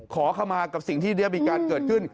ขอเข้ามากับสิ่งที่ได้มีการเกิดขึ้น